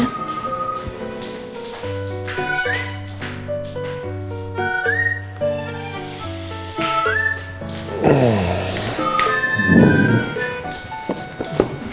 tunggu sebentar ya